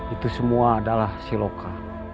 itu semua adalah siloka